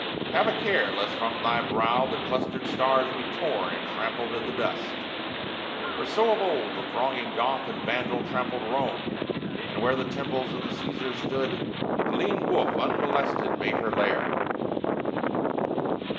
Have a care Lest from thy brow the clustered stars be torn And trampled in the dust. For so of old The thronging Goth and Vandal trampled Rome, And where the temples of the Cæsars stood The lean wolf unmolested made her lair.